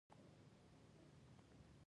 عصري تعلیم مهم دی ځکه چې د پریزنټیشن لارې ښيي.